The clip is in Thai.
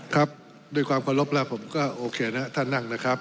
ครับด้วยความเคารพแล้วผมก็โอเคนะท่านนั่งนะครับ